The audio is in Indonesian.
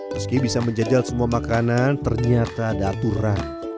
meski bisa menjajal semua makanan ternyata ada aturan